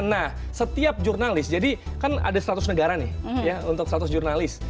nah setiap jurnalis jadi kan ada seratus negara nih ya untuk seratus jurnalis